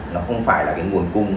nó không phải là cái nguồn cung